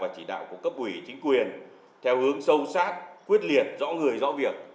chỉ đạo của cấp ủy chính quyền theo hướng sâu sát quyết liệt rõ người rõ việc